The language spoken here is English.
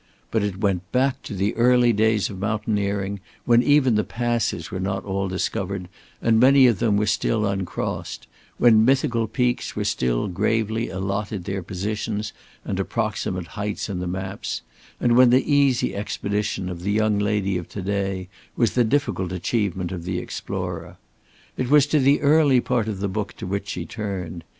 But it went back to the early days of mountaineering when even the passes were not all discovered and many of them were still uncrossed, when mythical peaks were still gravely allotted their positions and approximate heights in the maps; and when the easy expedition of the young lady of to day was the difficult achievement of the explorer. It was to the early part of the book to which she turned.